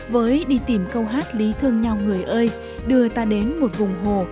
với đi tìm câu hát lý thương nhau người ơi đưa ta đến một vùng hồ